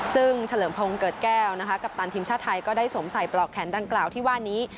ซึ่งเฉลิมพงศ์เกิดแก้วนะคะกัปตันทีมชาติไทยก็ได้สวมใส่ปลอกแขนดังกล่าวที่ว่านี้